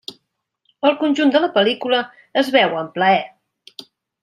El conjunt de la pel·lícula es veu amb plaer.